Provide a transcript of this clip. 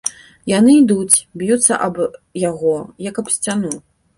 Яны ідуць, б'юцца аб яго, як аб сцяну.